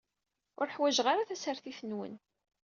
Ur ḥwaǧeɣ ara tasertit-nwen.